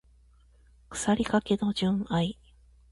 腐りかけの純愛